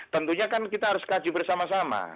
tentunya kan kita harus kaji bersama sama